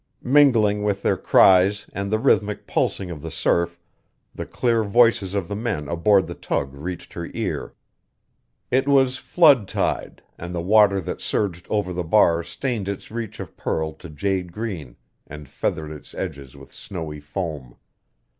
Mingling with their cries and the rhythmic pulsing of the surf, the clear voices of the men aboard the tug reached her ear. It was flood tide, and the water that surged over the bar stained its reach of pearl to jade green and feathered its edges with snowy foam.